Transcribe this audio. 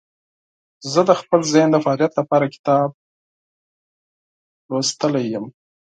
زه د خپل ذهن د فعالیت لپاره کتاب لوستلی یم.